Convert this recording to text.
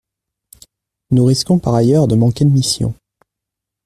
Nous risquons par ailleurs de manquer de missions.